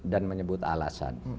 dan menyebut alasan